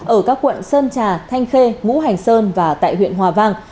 ở các quận sơn trà thanh khê ngũ hành sơn và tại huyện hòa vang